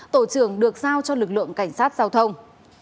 tổ trưởng được giao cho lực lượng cảnh sát giao thông